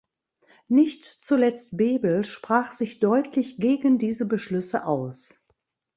Nicht zuletzt Bebel sprach sich deutlich gegen diese Beschlüsse aus.